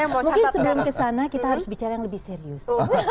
mungkin sebelum kesana kita harus bicara yang lebih serius